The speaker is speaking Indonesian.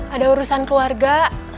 ada urusan keluarga